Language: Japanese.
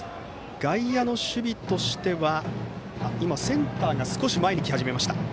外野の守備としては今、センターが少し前に来始めました。